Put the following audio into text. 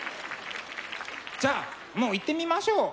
じゃあもういってみましょう。